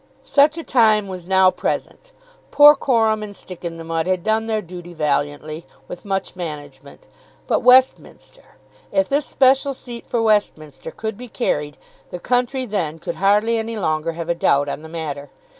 Such a time was now present. Porcorum and Sticinthemud had done their duty valiantly, with much management. But Westminster! If this special seat for Westminster could be carried, the country then could hardly any longer have a doubt on the matter.